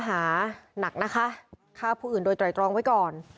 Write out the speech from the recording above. หานักนะคะฆ่าผู้อื่นโดยไตรตรองไว้ก่อน